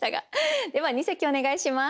では二席お願いします。